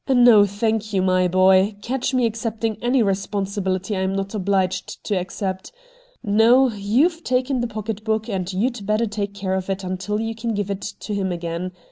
'No, thank you, my boy. Catch me accepting any responsibihty I am not obHged IN THE DOORWAY 93 to accept. No, you've taken the pocket book and you'd better take care of it until you can give it to him again.